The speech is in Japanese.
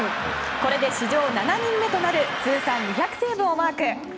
これで史上７人目となる通算２００セーブをマーク。